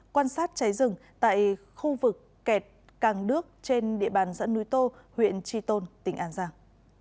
quan sát cháy rừng tại khu vực kẹt càng đước trên địa bàn dãn núi tô huyện tri tôn tỉnh an giang